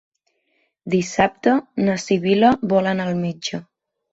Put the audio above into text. Dissabte na Sibil·la vol anar al metge.